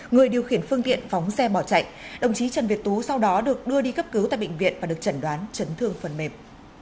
người điều khiển phương tiện phóng xe bỏ chạy đồng chí trần việt tú sau đó được đưa đi cấp cứu tại bệnh viện và được chẩn đoán chấn thương phần mềm